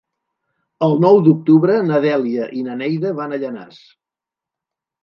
El nou d'octubre na Dèlia i na Neida van a Llanars.